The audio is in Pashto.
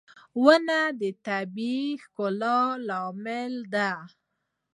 • ونه د طبيعي ښکلا لامل دی.